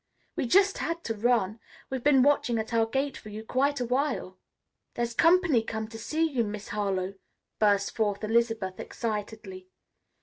"We just had to run. We've been watching at our gate for you quite a while." "There's company come to see you, Miss Harlowe," burst forth Elizabeth excitedly.